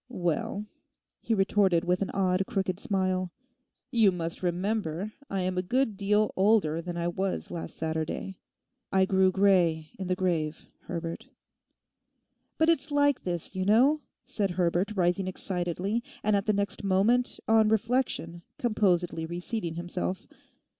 'Well' he retorted with an odd, crooked smile, 'you must remember I am a good deal older than I was last Saturday. I grew grey in the grave, Herbert.' 'But it's like this, you know,' said Herbert, rising excitedly, and at the next moment, on reflection, composedly reseating himself.